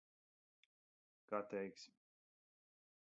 Kā teiksi.